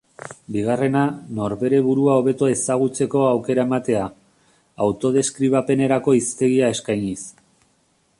Bigarrena: norbere burua hobeto ezagutzeko aukera ematea, autodeskribapenerako hiztegia eskainiz.